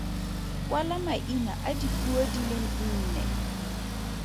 Kwala maina a dipuo di le nne.